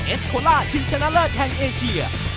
เอสโคล่าชิงชะนาเลอร์แทนเอเชีย